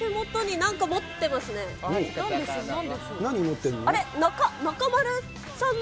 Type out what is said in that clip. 何持ってるの？